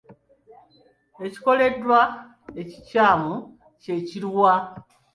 Ekikoleddwa ekikyamu kye kiruwa?